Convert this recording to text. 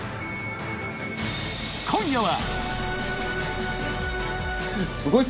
今夜は！